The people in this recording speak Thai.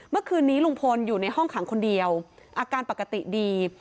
เมื่อคืนนี้ลุงพลอยู่ในห้องขังคนเดียวอาการปกติดี